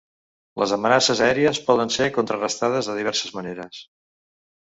Les amenaces aèries poden ser contrarestades de diverses maneres.